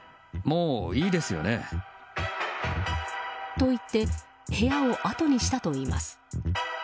と言って部屋をあとにしたといいます。